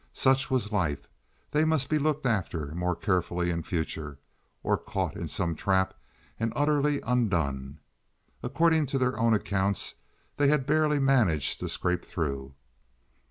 Such was life. They must be looked after more carefully in future, or caught in some trap and utterly undone. According to their own accounts, they had barely managed to scrape through.